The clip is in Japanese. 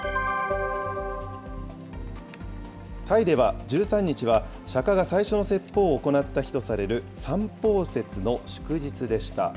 タイでは、１３日は釈迦が最初の説法を行った日とされる三宝節の祝日でした。